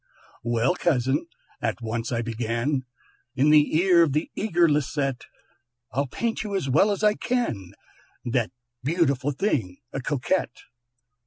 "Well, cousin," at once I began In the ear of the eager Lisette, "I'll paint you as well as I can That wonderful thing, a Coquette.